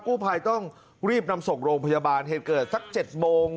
กู้ภัยต้องรีบนำส่งโรงพยาบาลเหตุเกิดสัก๗โมง